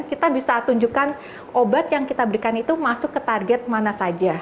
kita bisa tunjukkan obat yang kita berikan itu masuk ke target mana saja